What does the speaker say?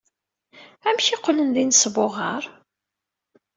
Amek ay qqlen d inesbuɣar?